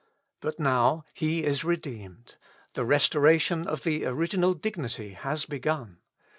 But now he is redeemed ; the restoration of the original dignity has begun.